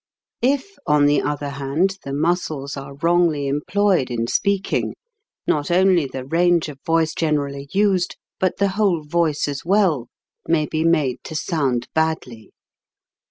If, on the other hand, the muscles are wrongly employed in speaking, not only the range of voice generally used, but the whole voice as well, may be made to sound badly.